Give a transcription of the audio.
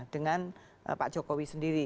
dengan pak jokowi sendiri